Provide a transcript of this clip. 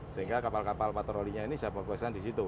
sehingga kapal kapal patrolinya ini saya fokuskan di situ